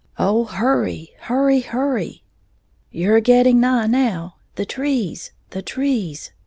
Oh, hurry! hurry! hurry! You're getting nigh now. The trees! the trees!